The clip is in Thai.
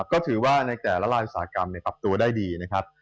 ก็ถือว่าในแต่ละลายอุตสาหกรรมปรับตัวได้ดีนะครับ